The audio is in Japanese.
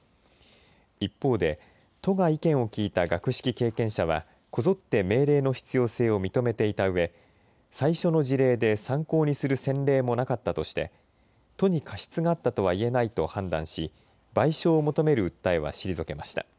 一方で都が意見を聞いた学識経験者はこぞって命令の必要性を認めていたうえ最初の事例で参考にする先例もなかったとして都に過失があったとはいえないと判断し賠償を求める訴えは退けました。